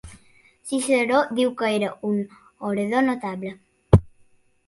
Ciceró diu que era un orador notable.